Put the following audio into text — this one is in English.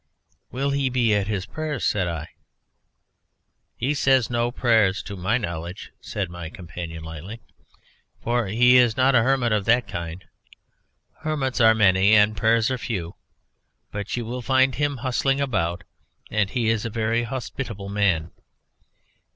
"Will he be at his prayers?" said I. "He says no prayers to my knowledge," said my companion lightly; "for he is not a hermit of that kind. Hermits are many and prayers are few. But you will find him bustling about, and he is a very hospitable man.